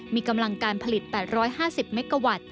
มีกำลังการผลิต๘๕๐เมกาวัตต์